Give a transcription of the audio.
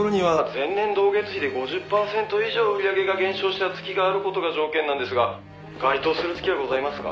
「前年同月比で５０パーセント以上売り上げが減少した月がある事が条件なんですが該当する月はございますか？」